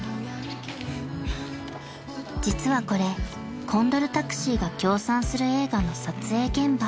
［実はこれコンドルタクシーが協賛する映画の撮影現場］